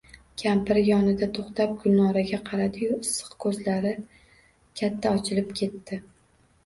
Kampiri yonida toʼxtab, Gulnoraga qaradiyu qisiq koʼzlari katta ochilib ketdi.